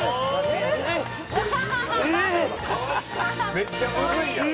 めっちゃむずいやん！